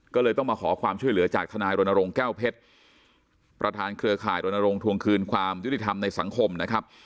ก็เลยต้องมาขอความช่วยเหลือจากทนายรณรงค์แก้วเพชรประธานเครือข่ายรณรงค์ทวงคืนความยุติธรรมในสังคมนะครับ